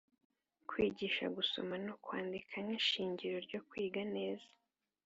kwigisha gusoma no kwandika nk’ishingiro ryo kwiga neza